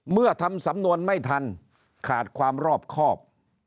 เมื่อทำสำนวนไม่ทันขาดความรอบครอบ